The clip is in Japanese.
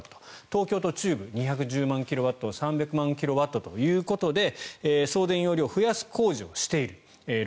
東京と中部２１０万キロワットを３００万キロワットということで送電容量を増やす工事をしている。